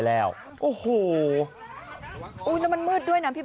ไหวเนี่ย